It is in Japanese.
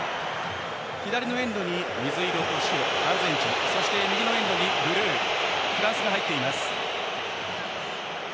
左のエンドに水色と白のアルゼンチンそして右のエンドにブルーのフランスが入っています。